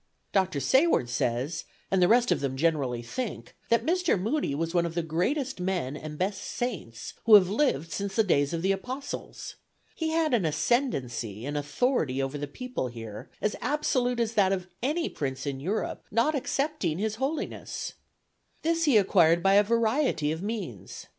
Dr. Sayward says, and the rest of them generally think, that Mr. Moody was one of the greatest men and best saints who have lived since the days of the Apostles. He had an ascendency and authority over the people here, as absolute as that of any prince in Europe, not excepting his Holiness. "This he acquired by a variety of means.